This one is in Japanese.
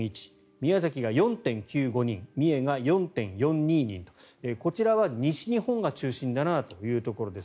宮崎が４．９５人三重が４．４２人とこちらは西日本が中心だなというところです。